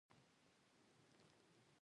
د ژوند تجربې او مشورې تشه محسوسوم.